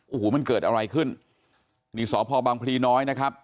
โอ้โหมันเกิดอะไรขึ้นนี่สพบังพลีน้อยนะครับ